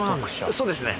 そうですね。